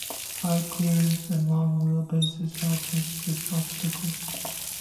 High clearance and long wheelbases help with this obstacle.